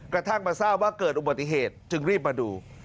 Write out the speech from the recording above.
กระทั่งมาทราบว่าเกิดอุบัติเหตุจึงรีบมาดู